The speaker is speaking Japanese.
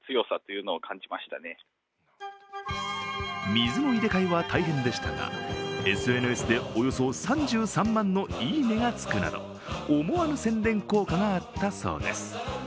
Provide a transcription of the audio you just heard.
水の入れ替えは大変でしたがＳＮＳで、およそ３３万のいいねがつくなど思わぬ宣伝効果があったそうです。